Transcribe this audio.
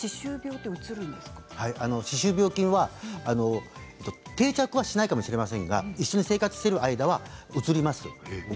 歯周病菌は定着はしないかもしれませんが一緒に生活している間はうつります。